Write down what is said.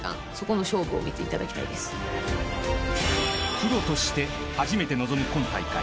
［プロとして初めて臨む今大会］